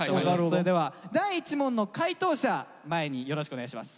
それでは第１問の解答者前によろしくお願いします。